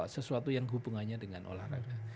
sesuatu yang hubungannya dengan olahraga